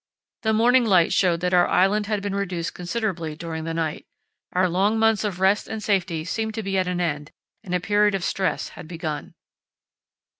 The morning light showed that our island had been reduced considerably during the night. Our long months of rest and safety seemed to be at an end, and a period of stress had begun.